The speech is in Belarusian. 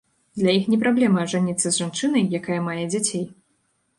Для іх не праблема ажаніцца з жанчынай, якая мае дзяцей.